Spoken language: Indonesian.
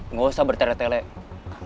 nggak usah bertelai telai